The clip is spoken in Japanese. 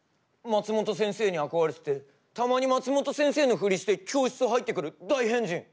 松本先生に憧れててたまに松本先生のふりして教室入ってくる大変人。